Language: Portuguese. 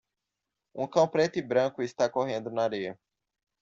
Um cão preto e branco está correndo na areia.